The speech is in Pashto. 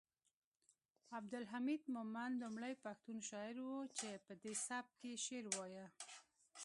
عبدالحمید مومند لومړی پښتون شاعر و چې پدې سبک یې شعر وایه